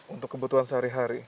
untuk kebutuhan sehari hari